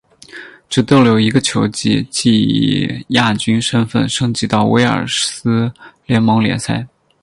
只逗留一个球季即以亚军身份升级到威尔斯联盟联赛。